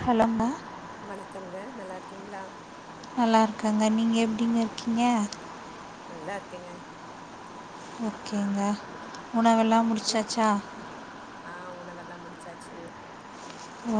ஹலோம்மா வணக்கம்ங்க நல்லாருக்கீங்ளா நல்லாருக்கங்க நீங்க எப்டிங்க இருக்கீங்க நல்லா இருக்கேங்க ஓகேங்க உணவெல்லா இன் முடிச்சாச்சா ஆ உணவெல்லா முடிச்சாச்சு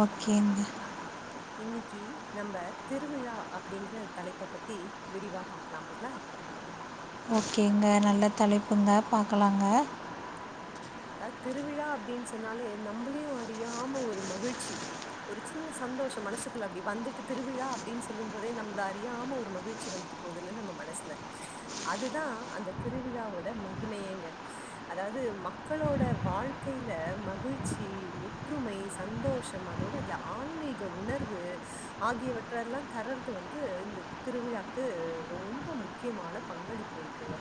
ஓகேங்க இன்னக்கி நம்ப திருவிழா அப்டிங்ற தலைப்ப பத்தி விரிவா பாக்கலாம்ங்ளா ஓகேங்க நல்ல தலைப்புங்க பாக்கலாங்க அ திருவிழா அப்படின் சொன்னாலே நம்பளயு அறியாம ஒரு மகிழ்ச்சி ஒரு சின்ன சந்தோஷோ மனசுக்குள்ள அப்டி வந்துட்டு திருவிழா அப்டின்ன சொல்லும் போதே நம்மள அறியாம ஒரு மகிழ்ச்சி வந்துட்டு போதுல்ல நம்ம மனசுல அதுதா அந்த திருவிழாவோட மகிமையேங்க அதாது ம களோட வாழ்க்கைல மகிழ்ச்சி ஒற்றுமை சந்தோஷம் அதோட இந்த ஆன்மீக க உணர்வு ஆகியவற்றெல்லாம் தரறது வந்து இந்த திருவிழாக்கு ரொம்ப மு கியமான பங்களிப்பு இருக்குங்க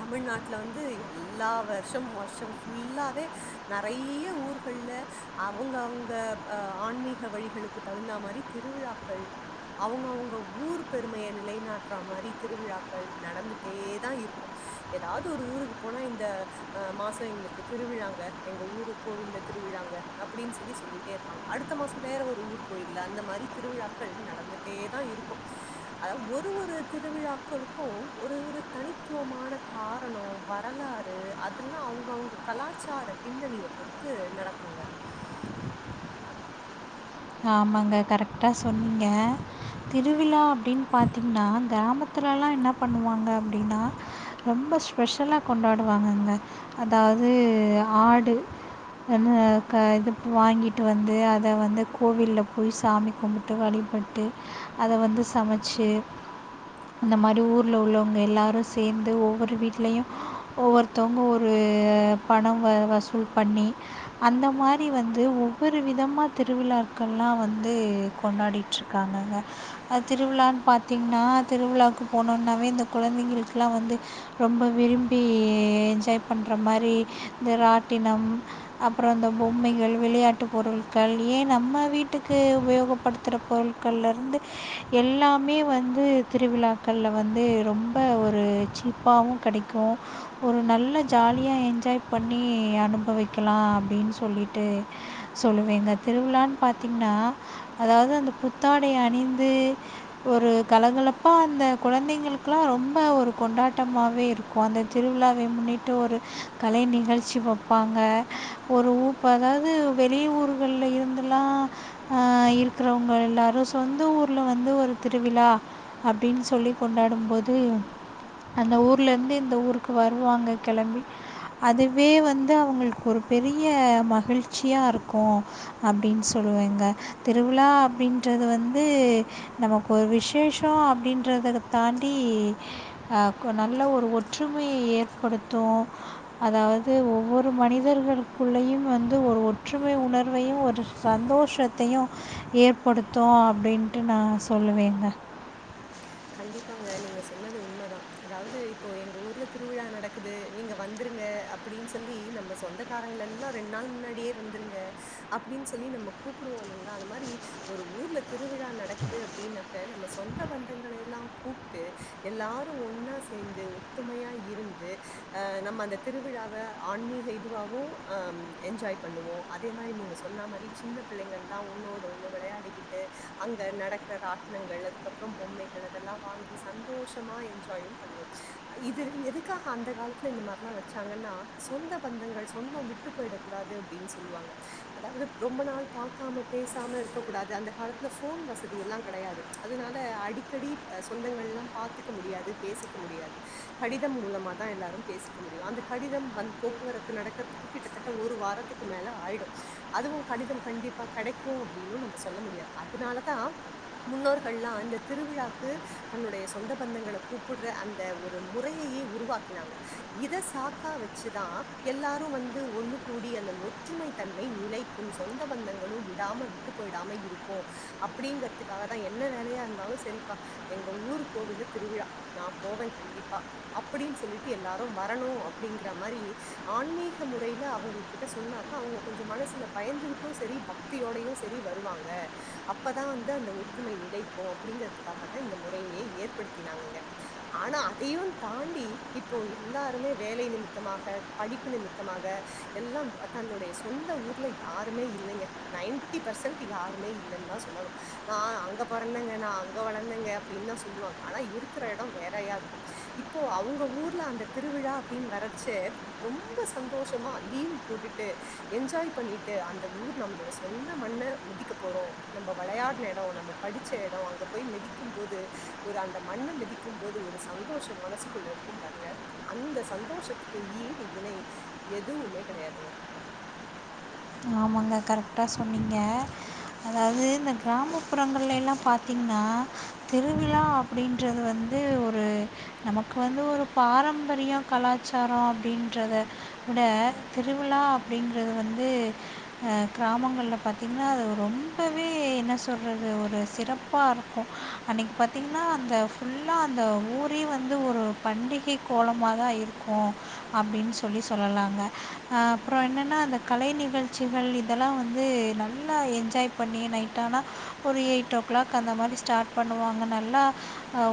தமிழ்நாட்ல வந்து எல்லா வர்ஷ தம் வர்ஷ ஃபுல்லாவே நெறைய ஊர்கள்ல அவுங்க அவுங்க அ ஆன்மீ க வழிகளுக்குத் தகுந்த மாரி திருவிழாக்கள் அவங்கவுங்க ஊர் பெருமைய நிலைநாட்டுற மாரி திருவிழாக்கள் நடந்துட்டே தா இருக்கு ஏதாவது ஒரு ஊருக்கு போனா இந்த அ மாசோ எங்களுக்கு திருவிழாங்க எங்க ஊரு கோவில்ல திருவிழாங்க அப்டின்னு சொல்லி சொல்லிட்டே இருப் பாங்க அடுத்த மாசோ வேற ஒரு ஊர் கோயில்ல அந்த மாரி திருவிழாக்கள் நடந்துட்டே தா இருக்கு அதாவ் ஒரு ஒரு திருவிழாக்களுக்கு ஒரு ஒரு தனித்துவமான காரணோ வரலாறு அது ல்லா அவுங்கவுங்க கலாச்சார பின்னணிய பொறுத்து நடக்குங்க ஆமாங்க கரெக்டா சொன்னீங்க திருவிழா அப்டின்‌ பாத்தீங்கன்னா கிராமத்துலல்லா என்னா பண்ணுவாங்க அப்டினா ரொம்ப ஸ்பெஷலா கொண்டாடுவாங்கங்க அதாவது ஆடு அதும க இது வாங்கிட்டு வந்து அத வந்து கோவில்ல போய் சாமி கும்புட்டு வழிபட்டு அத வந்து சமச்சு அந்த மாரி ஊர்ல உள்ளவுங்க எல்லாரு சேந்து ஒவ்வொரு வீட்லயு ஒவ்வொருத்தவுங்க ஒரு பணம் வ வசூல் பண்ணி அந்த மாரி வந்து ஒவ்வொரு விதமா திருவிழா க்கள்லா வந்து கொண்டாடிட்ருக்காங்கங்க அ திருவிழான் பாத்தீங்கன்னா திருவிழாவுக்கு போன்னோனாவே இந்த குழந்தைங்களுக்குல்லா வந்து ரொம்ப விரும்பி என்ஜாய் பண்ற மாரி இந்த ராட்டினம் அப்பறோ இந்த பொம்மைகள் விளையாட்டு பொருள்கள் ஏ நம்ம வீட்டுக்கு உபயோகப்படுத்துற பொருட்கள்ல இருந்து எல்லாமே வந்து திருவிழாக்கள்ல வந்து ரொம்ப ஒரு சீப்பாவு கடைக் கு ஒரு நல்ல ஜாலியா என்ஜாய் பண்ணி அனுபவைக்கலா அப்டின் சொல்லிட்டு சொல்லுவேங்க திருவிழான் பாத்தீங்கன்னா அதாவது அந்த புத்தாடை அணிந்து ஒரு கலகலப்பா அந்த குழந்தைங்களுக்குல்லா ரொம்ப ஒரு கொண்டாட்டமாவே இருக் கு அந்த திருவிழாவை முன்னிட்டு ஒரு கலை நிகழ்ச்சி வப்பாங்க ஒரு ஊப் அதாவது வெளி ஊர்கள்ல இருந்துலா அ இருக்கிறவுங்க எல்லாரு சொந்த ஊர்ல வந்து ஒரு திருவிழா அப்டின் சொல்லி கொண்டாடும் போது அந்த ஊர் ல இருந்து இந்த ஊருக்கு வருவாங்க கெளம்பி அதுவே வந்து அவுங்களுக்கு ஒரு பெரிய மகிழ்ச் சியா இருக்கு அப்டின் சொ ல்லுவேங்க திருவிழா அப்டின்றது வந்து நமக்கு ஒரு விஷ் சேஷோ அப்டின்றத தாண்டி அ நல்ல ஒரு ஒற்றுமைய ஏற்படுத்து அதாவது ஒவ்வொரு மனிதர்களுக்குள்ளயு வந்து ஒரு ஒரு ஒற்றுமை உணர்வையு ஒரு சந்தோஷத்தையு ஏற்படுத்து அப்டின்ட்டு நா சொல்லுவேங்க கண்டிப்பாங்க நீங்க சொன்னது உண்மதா அதாவது இப்போ எங்க ஊர்ல திருவிழா நடக் குது நீங்க வந்துருங்க அப்டின்னு சொல்லி நம்ம சொந்தக்காரங்கள எல்லா ரெண்டு நாள் முன்னாடியே வந்துருங்க அப்டின்னு சொல்லி நம்ம கூப்புடுவோ இல்லைங்களா அந்த மாரி ஒரு ஊர்ல திருவிழா நடக்குது அப்டின்னாக்க நம்ம சொந்த பந் தங்களே எல்லா கூப்டு எல்லாரு ஒன்னா சேந்து ஒத்துமையா இருந்து அ நம்ம அந்த திருவிழாவ ஆன்மீக இதுவாவு அ என்ஜாய் பண்ணுவோ அதே மாரி நீங்க சொன்ன மாரி சின்ன பிள்ளைகள்ல்லா ஒன்னோட ஒண்ணு வெளையாடிக்கிட்டு அங்க நடக்கற ராட்னங்கள் அதுக்கப்புறம் பொம்மைகள் அதெல்லா வாங்கி சந்தோஷமா என்ஜாயும் பண்ணு இது எதுக்காக அந்த காலத்து ல இந்த மாரில்லா வச்சாங்கன்னா சொந்த பந்தங்கள் சொந்தோ விட்டு போயிடக் கூடாது அப்டின்னு சொல்லுவாங்க அதாவது ரொம்ப நாள் பாக்காம பேசாம இருக்க கூடாது அந்த காலத்துல ஃபோன் வசதி எல்லா கெடையாது அதுனா ல அடிக்கடி சொந்தங்கள் எல்லா பாத்துக்க முடியாது பேசிக்க முடியாது கடிதம் மூலமா தா எல்லாரு பேசிக்க முடியு அந்த கடிதம் வந் போக்குவரத்து நடக்கிறதுக்கு கிட்டத்தட்ட ஒரு வாரத்துக்கு மேல ஆயிடு அதுவு கடிதம் கண்டிப்பா கெடைக்கு அப்டின்னு நம்ம சொல்ல முடியாது அதனாலதா முன்னோர்கள்லா இந்த திருவிழாக்கு தன்னுடைய சொந்த பந்தங்கள கூப்டற அந்த ஒரு முறையையே உருவாக்கினாங்க இத சாக்கா வச்சுதா எல்லாரு வந்து ஒன்னு கூடி அந்த ஒற்றுமை தன்மை நிலை சொந்த பந்தங்களும் விடாம விட்டு போயிடாம இருக்கு அப்படிங்கறதுக்காக தா என்ன வேலயா இரு ந்தாலு செரிப்பா எங்க ஊரு கோவில்ல திருவிழா நா போவே கண்டிப்பா அப்டின்னு சொல்லிட்டு எல்லாரு வரணு அப்டிங்கற மாரி ஆன்மீக முறையில அவுங்ளுக் கிட்ட சொன்னாக்க அவுங்க கொஞ்ச மனசுல பயந்துகிட்டு செரி பக்தியோடையு செரி வருவாங்க அப்பதா வந்து அந்த ஒற்றுமை நிலைக்கு அப்டிங்கறதுக்காக தா இந்த முறையே ஏற்படுத்தினாங்கங்க ஆனா அதயு தாண்டி இப்போ எல்லாருமே வேலை நிமித்தமாக படிப்பு நிமித்தமாக எல்லாம் தன்னுடைய சொந்த ஊர்ல யாருமே இல்லைங்க நைன்டி பர்சன்ட் யாருமே இல்லைன்னு தா சொல்லணு நா அங்க பாத் வளந்தங்க நா அங்க வளந்தங்க அப்டின்னு தா சொல்லுவாங்க ஆனா இருக்கற எட வேறயா இருக்கு இப்போ அவுங்க ஊர்ல அந்த திருவிழா அப்டின்னு வரர்ச்ச ரொம்ப சந்தோஷமா லீவ் போட்டுட்டு என்ஜாய் பண்ணிட்டு அந்த ஊர் நம்மளோட சொந்த மண்ண மிதிக்க போறோ நம்ம விளையாடுன எடோ நம்ம படிச்ச எடோ அங்க போய் மிதிக்கும் போது ஒரு அந்த மண்ண மிதிக்கும் போது ஒரு சந்தோஷம் மனசுக்குள்ள இருக் கும் பாருங்க அந்த சந்தோஷத்துக்கு ஈடு இணை எதுவுமே கெடையாதுங்க ஆமாங்க கரெக்டா சொன்னீங்க அதாவது இந்த கிராமப்புறங்கள்லல்லா பாத்தீங்கன்னா திருவிழா அப்டின்றது வந்து ஒரு நமக்கு வந்து ஒரு பாரம்பரியோ கலாச்சாரோ அப்டின்றத விட திருவிழா அப்டிங்கறது வந்து ஆ கிராமங்கள்ல பாத்தீங்கன்னா அது ரொம்பவே என்ன சொல்றது ஒரு சிறப்பா இருக்கு அன்னைக்கி பாத்தீங்கன்னா அந்த ஃபுல்லாக அந்த ஊரே வந்து ஒரு பண்டிகை கோலமாதா இருக் க்கு அப்டின்னு சொல்லி சொல்லலாங்க அ அப்பற என்னன்னா அந்த கலை நிகழ் ச்சிகள் இதெல்லா வந்து நல்லா என்ஜாய் பண்ணி நைட்டானா ஒரு எயிட் ஓ கிளாக் அந்த மாரி ஸ்டாட் பண்ணுவாங்க நல்லா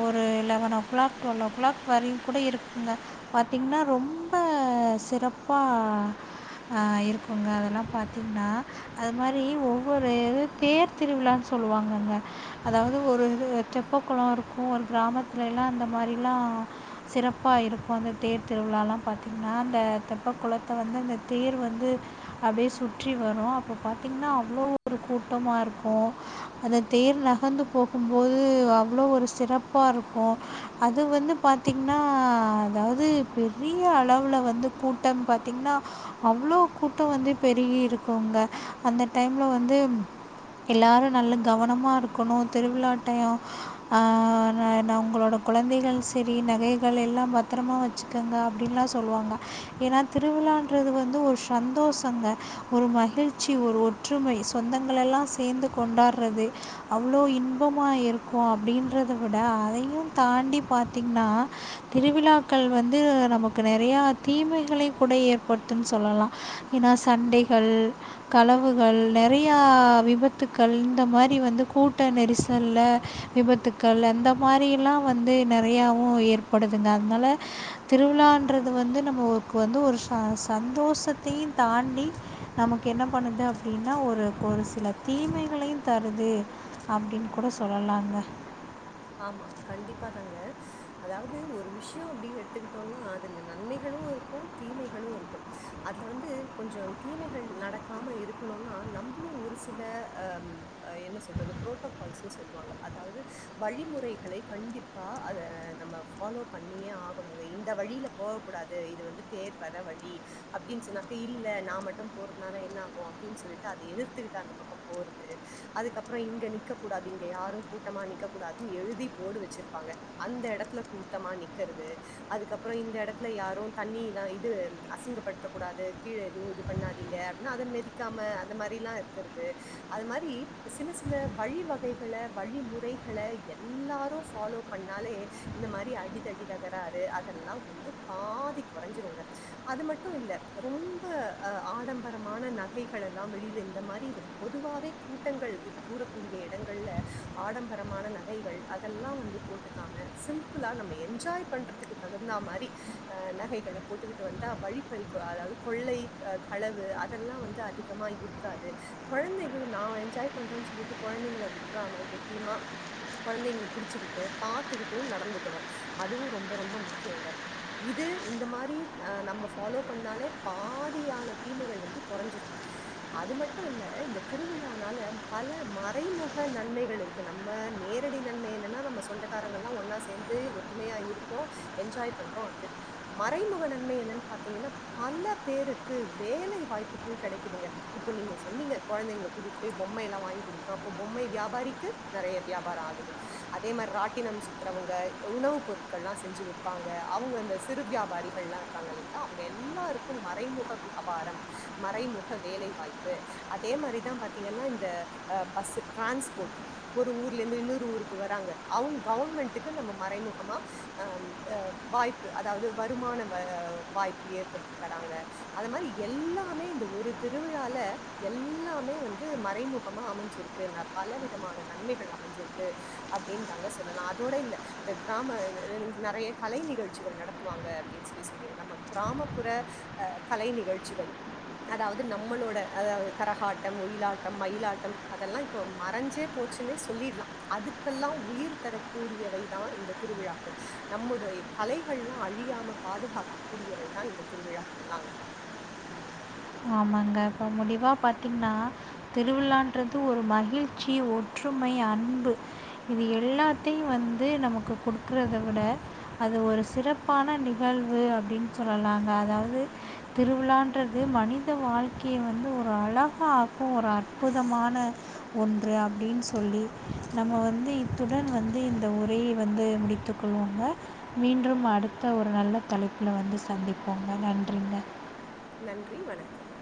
ஒரு லவனோ ஓ கிளாக் டொல் ஓ கிளாக் வரையு கூட இருக்குங்க பாத்தீங்கன்னா ரொம்ப சிறப்பா இருக்குங்க அதெல்லாப் பாத்தீங்கன்னா அது மாரி ஒவ்வொரு இது தேர் திருவிழான்னு சொல்லுவாங்கங்க அதாவது ஒரு தெப்ப குளோ இருக்கு ஒரு கிராமத்தில்லல்லா அந்த மாரிலா சிறப்பா இருக்கு அந்த தேர் திருவிழாலா பாத்தீங்கன்னா அந்த தெப்ப குளத்த வந்து அந்த தேர் வந்து அப்டியே சுற்றி வரு அப்ப பாத்தீங்கன்னா அவ்ளோ ஒரு கூட்டமா இருக்கு அந்த தேர் நகர்ந்து போகும்போது அவ்ளோ ஒரு சிறப்பா இருக்கு அது வந்து பாத்தீங்கன்னா அதாவது பெரிய அளவுல வந்து கூட்டம் பாத்தீங்கன்னா அவ்ளோ கூட்டோ வந்து பெருகி இருக்குங்க அந்த டைம்ல வந்து எல்லாரு நல்லா கவனமா இருக்கணு திருவிழாடயோ ஆ நா உங்களோட கொழந்தைகள் செரி நகைகள் எல்லா பத்தரமா வச்சுக்கங்க அப்டின்லா சொல்லுவாங்க ஏன்னா திருவிழான்றது வந்து ஒரு சந்தோஷங்க ஒரு மகிழ்ச்சி ஒரு ஒற்றுமை சொந்தங்கள் எல்லா சேந்து கொண்டாறது அவ்ளோ இன்பமா இருக்கு அப்டின்றத விட அதயு தாண்டி பாத்தீங்கன்னா திருவிழாக்கள் வந்து நமக் கு நெறையா தீமைகளை கூட ஏற்படுத்துன் சொல்லலா ஏன்னா சண்டைகள் கலவுகள் நெறையா விபத்துக்கள் இந்த மாரி வந்து கூட்ட நெரிசல்ல விபத்துக்கள் அந்த மாரிலா வந்து நெறையாவு ஏற்படுதுங்க அதனால திருவிழான்றது வந்து நம்மக்கு வந்து ஒரு ச சந்தோஷத்தையு தாண் டி நமக்கு என்ன பண்ணுது அப்டின்னா ஒரு ஒரு சில தீமைகளையு தருது அப்டின் கூட சொல்லலாங்க ஆமா கண்டிப்பா தாங்க அதாவது ஒரு விஷயோ அப்டின்னு எடுத்துக்கிட்டோன்னா அதுல நன்மைகளு இருக்கு தீமைகளு இருக்கு அதுல வந்து கொஞ்ச தீமைகள் நடக்காம இருக்கணுனா நம்புளு ஒரு சில அ அ என்ன சொல்றது பு்ரோட்டோகால்ஸ்ன்னு சொல்லுவாங்க அதாவது வழிமுறைகளை கண்டிப்பா அத நம்ம ஃபாலோ பண்ணியே ஆகணுங்க இந்த வழில போக கூடாது இது வந்து தேர் வர வழி அப்டின் சொன்னாக்க இல்ல நா மட்டு போறதுனால என்ன ஆகு அப்டின் சொல்லிட்டு அத எதிர்த்துக்கிட்டு அந்த பக்க போறது அதுக்கப்ற இங்க நிக்கக் கூடாது இங்க யாரு கூட்டமா நிக் கக்கூடாதுன் எழுதி போர்டு வச்சிருப்பாங்க அந்த எடத்துல கூட்டமா நிக்கிறது அதுக்கப்ற இந்த எடத்துல யாரு தண்ணில்லா இது அசிங்கப்படுத்தக் கூடாது கீழ எதுவு இது பண்ணாதீங்க அப்டின்னா அத மெதிக்காம அந்த மாரில்லா இருக்கிறது அது மாரி சின்ன சின்ன வழிவகைகள வழிமுறை கள எல்லாரு ஃபாலோ பண்ணாலே இந்த மாரி அடிதடி தகராரு அதெல்லா வந்து பாதி கொறைஞ்சிருங்க அது மட்டு இல்ல ரொம்ப அ ஆடம்பரமான நகைகள் எல்லா வெளில இந்த மாரி ரொம் பொதுவாவே கூட்டங்கள் கூடக்கூடிய இடங்கள்ல ஆடம்பர மான நகைகள் அதெல்லா வந்து போட்டுக்காம சிம்பிளா நம்ம என்ஜாய் பண்றதுக்கு தகுந்த மாரி அ நகைகள போட்டுக்கிட்டு வந்தா வழிப்பறி அதாவது கொள்ளை களவு அதெல்லா வந்து அதிகமா இருக் காது கொழந்தைகள நா என்ஜாய் பண்றேன்னு சொல்லிட்டு கொழந்தைங்கள விட்றாம கெட்டியமா கொழந்தைங்க புடிச்சுக்கிட்டு பாத்துக்கிட்டு நடந்துக்கணு அதுவு ரொம்ப ரொம்ப முக்கியங்க இது இந்த மாரி அ நம்ப ஃபாலோ பண்ணாலே பாதியான தீமைகள் வந்து கெறைஞ்சிரு அது மட்டு இல்ல இந்த திருவிழானால பல மறைமுக நன்மைகள் இருக்கு நம் ம நேரடி நன்மை என்னன்னா நம்ம சொந்தக்காரங்கள்லா ஒன்னா சேந்து ஒத்துமையா இருக்கோ என்ஜாய் பண்றோ அது மறைமுக நன்மை என்னன் பாத்தீங்கனா பல பேருக்கு வேலை வாய்ப்புகள் கெடைக்குதுங்க இப்ப நீங்க சொன்னீங்க கொழந்தைங்கள கூட்டிட்டு போய் பொம்மைை எல்லா வாங்கி குடுக்குறோ அப்ப பொம்மை வியாபாரிக்கு நெறைய வியாபார ஆகுது அதே மாரி ராட்டினம் சுத்துறவங்க உணவு பொருட்கள்லா செஞ்சு விப்பாங்க அவுங்க அந்த சிறு வியாபாரிகள்லா இரு க்காங்க இல்லைங்களா அவுங்க எல்லாருக்கு மறைமுக வியாபார மறைமுக வேலை வாய்ப்பு அதே மாரிதா பாத்தீங்கன்னா இந்த அ பஸ் ட்ரான்ஸ்போர்ட் ஒரு ஊர்ல இருந்து இன்னொரு ஊருக்கு வராங்க அவுங் கவுமெண்ட்டுக்கு நம்ம மறைமுகமா அ அ வாய்ப்பு அதாவது வருமான வ வாய்ப்பு ஏற்படுத்தி தராங்க அது மாரி எல்லாமே இந்த ஒரு திருவிழால எல்லாமே வந்து மறைமுகமா அமைஞ்சிருக் கு பல விதமான நன்மைகள் அமைஞ்சிருக்கு அப்டின் தாங்க சொல்லலா அதோட இல்ல இந்த க்ராம நெறைய கலை நிகழ்ச்சிகள் நடத்துவாங்க அப்டின்னு சொல்லி சொன்னீங்க நம்ம க்ராமப்புற அ கலை நிகழ்ச்சிகள் அதாவது நம்மளோட அ கரகாட்டம் ஒயிலாட்டம் மயிலாட்டம் அதெல்லா இப்போ மறைஞ்சே போ ச்சுனே சொல்லிட்லா அதுக்கெல்லாம் உயிர் தரக்கூடியவைதா இந்த திருவிழாக்கள் நம்முடைய கலைகள்லாம் அழியாமல் பாதுகாக்கக்கூடியவை தான் இந்த திருவிழாக்கள்லாங்க ஆமாங்க இப்ப முடிவா பாத்தீங்கன்னா திருவிழான்றது ஒரு மகிழ்ச்சி ஒற்றுமை அன்பு இது எல்லாத்தையும் வந்து நமக்கு குடுக்குறத விட அது ஒரு சிறப்பான நிகழ்வு அப்படின்னு சொல்லலாங்க அதாவது திருவிழான்றது மனி த வாழ்க்கைய வந்து ஒரு அழகாக்கும் ஒரு அற்புதமான ஒன்று அப்படின்னு சொல்லி நம்ம வந்து இத்துடன் வந்து இந்த உரை வந்து முடித்துக்கொள்வோங்க மீண்டும் அடுத்த ஒரு நல்ல தலைப்புல வந்து சந்திப்போங்க நன்றிங்க நன்றி வணக்கம்